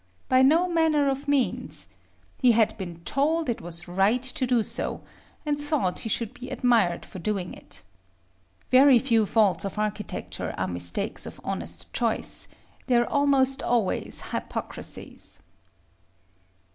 By no manner of means. He had been told it was right to do so, and thought he should be admired for doing it. Very few faults of architecture are mistakes of honest choice: they are almost always hypocrisies.